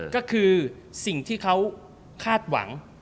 ก็คือสิ่งที่เขาคาดหวัง